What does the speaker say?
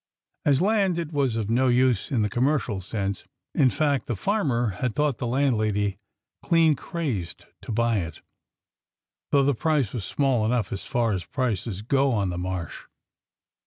As land, it was of no use in the commercial sense — in fact, the farmer had thought the landlady clean crazed to buy it, though the price was small enough as far as prices go on the Marsh.